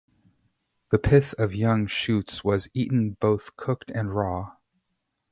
The pith of young shoots was eaten both cooked and raw.